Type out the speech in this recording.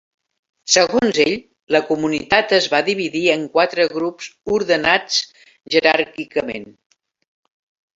Segons ell, la comunitat es va dividir en quatre grups ordenats jeràrquicament.